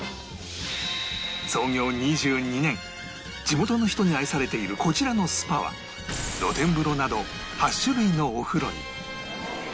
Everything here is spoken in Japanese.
地元の人に愛されているこちらのスパは露天風呂など８種類のお風呂に